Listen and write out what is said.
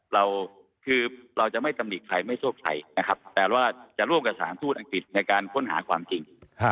เราจะไม่ตำลีกใครไม่โทษใครแต่ว่าจะร่วมกับสถานทูตอังกฤษในการค้นหาความจริง